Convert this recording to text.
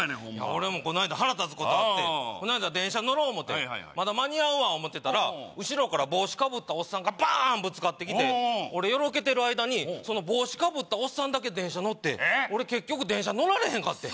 俺もこないだ腹立つことあってこないだ電車乗ろう思ってまだ間に合うわ思ってたら後ろから帽子かぶったおっさんがバーンぶつかってきて俺よろけてる間にその帽子かぶったおっさんだけ電車乗って俺結局電車乗られへんかってん